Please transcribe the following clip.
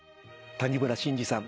谷村新司さん